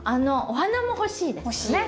お花も欲しいですよね。